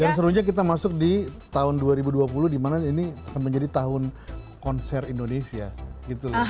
dan serunya kita masuk di tahun dua ribu dua puluh dimana ini akan menjadi tahun konser indonesia gitu